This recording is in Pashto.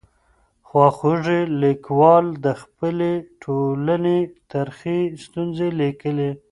خواخوږي ليکوال د خپلي ټولني ترخې ستونزې ليکلې.